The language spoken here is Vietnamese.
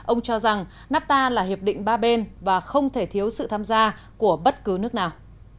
ông cho rằng nafta là hiệp định ba bên và không thể thiếu sự tham gia của bất cứ nước nào